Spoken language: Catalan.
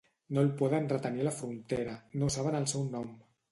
No el poden retenir a la frontera; no saben el seu nom.